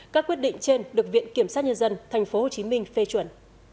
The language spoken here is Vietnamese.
các quyết định trên được viện kiểm sát nhân dân tp hcm phê chuẩn